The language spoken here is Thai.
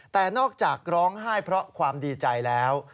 แต่นอกจากร้องไห้เพราะความดีใจแล้ว